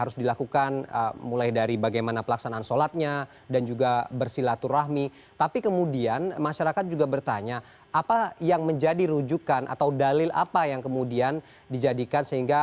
sidang isbat segera kembali